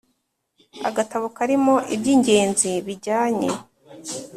agatabo karimo iby ingenzi bijyanye